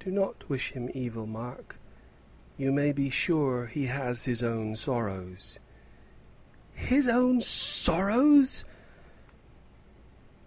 "Do not wish him evil, Mark; you may be sure he has his own sorrows." "His own sorrows!